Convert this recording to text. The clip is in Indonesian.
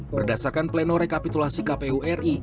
berdasarkan pleno rekapitulasi kpu ri